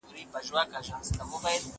زه اوږده وخت د سبا لپاره د يادښتونه بشپړوم